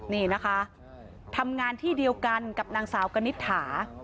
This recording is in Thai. นี่นะคะทำงานที่เดียวกันกับนางสาวกนิษฐา